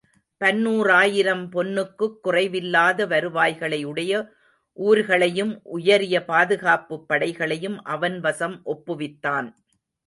பன்னூறாயிரம் பொன்னுக்குக் குறைவில்லாத வருவாய்களை உடைய ஊர்களையும் உயரிய பாதுகாப்புப் படைகளையும் அவன் வசம் ஒப்புவித்தான்.